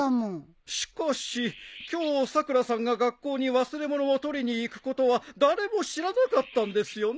しかし今日さくらさんが学校に忘れ物を取りに行くことは誰も知らなかったんですよね？